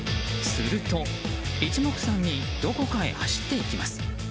すると一目散にどこかへ走っていきます。